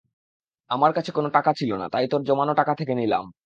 আমার কাছে কোনো টাকা ছিল না, তাই তোর জমানো টাকা থেকে নিলাম।